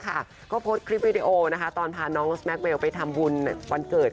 ก็โพสต์คลิปวิดีโอตอนพาน้องแม็กเวลไปทำบุญวันเกิด